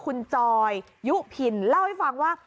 คุณจอยยุพินเล่าให้ฟังว่า